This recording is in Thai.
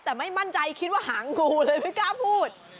แต่ไม่มั่นใจคิดว่าหางกูเลยไม่กล้าพูด